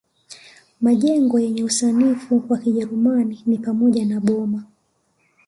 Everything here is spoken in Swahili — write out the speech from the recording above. Majengo yenye usanifu wa Kijerumani ni pamoja na boma